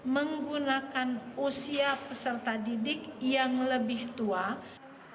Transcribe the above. menggunakan usia peserta didik yang lebih tua